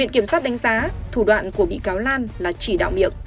kiểm soát đánh giá thủ đoạn của bị cáo lan là chỉ đạo miệng